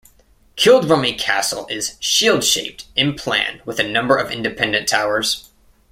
Kildrummy Castle is "shield-shaped" in plan with a number of independent towers.